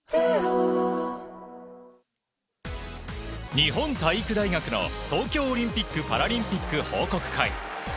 日本体育大学の東京オリンピック・パラリンピック報告会。